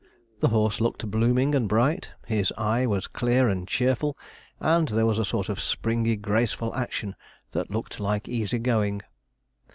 The horse looked blooming and bright; his eye was clear and cheerful, and there was a sort of springy graceful action that looked like easy going.